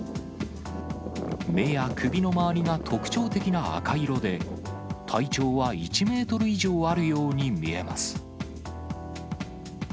目や首の周りが特徴的な赤色で、体長は１メートル以上あるように見えます。